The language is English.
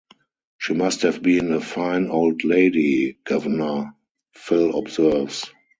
"She must have been a fine old lady, guv'nor," Phil observes.